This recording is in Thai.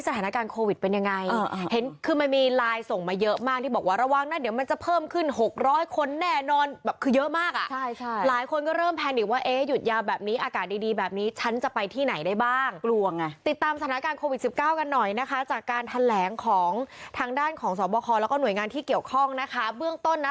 ติดตามสถานการณ์โควิด๑๙กันหน่อยจากการทะแหลงของทางด้านของสอบบทคอแล้วก็หน่วยงานที่เกี่ยวข้องนะ